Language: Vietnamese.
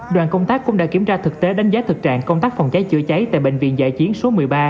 đoàn công tác cũng đã kiểm tra thực tế đánh giá thực trạng công tác phòng cháy chữa cháy tại bệnh viện dại chiến số một mươi ba